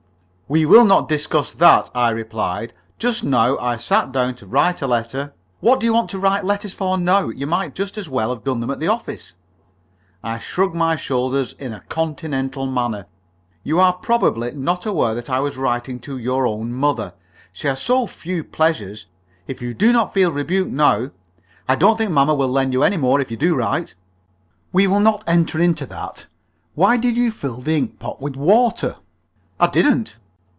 "We will not discuss that," I replied. "Just now I sat down to write a letter " "What do you want to write letters for now? You might just as well have done them at the office." I shrugged my shoulders in a Continental manner. "You are probably not aware that I was writing to your own mother. She has so few pleasures. If you do not feel rebuked now " "I don't think mamma will lend you any more if you do write." "We will not enter into that. Why did you fill the ink pot with water?" "I didn't."